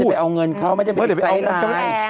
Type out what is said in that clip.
ไม่ได้ไปเอาเงินเขาไม่ได้ไปติดใสหลาย